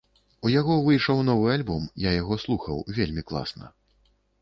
У яго выйшаў новы альбом, я яго слухаў, вельмі класна.